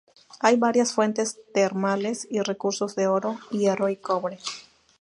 Hay varias fuentes termales y recursos de oro, hierro y cobre.